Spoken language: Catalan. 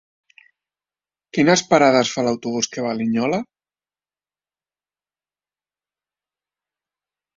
Quines parades fa l'autobús que va a Linyola?